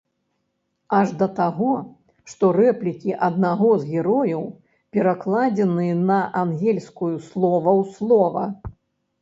Аж да таго, што рэплікі аднаго з герояў перакладзеныя на ангельскую слова ў слова.